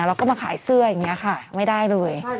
แล้วก็มาขายเสื้ออย่างนี้ค่ะไม่ได้เลย